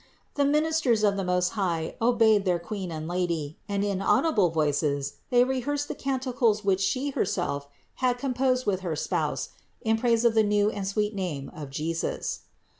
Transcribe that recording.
The ministers of the Most High obeyed their Queen and Lady and in audible voices they rehearsed the canticles which She herself had composed with her spouse in praise of the new and sweet name of JESUS.